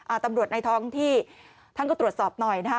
ตำรวจในท้องที่ท่านก็ตรวจสอบหน่อยนะคะ